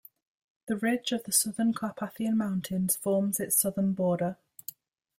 The ridge of the southern Carpathian Mountains forms its southern border.